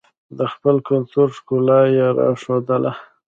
د خپل کلتور ښکلا یې راښودله.